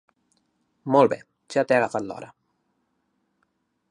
Molt bé, ja t'he agafat l'hora.